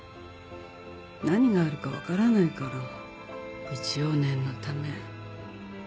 何があるか分からないから一応念のため。